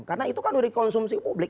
karena itu kan dari konsumsi publik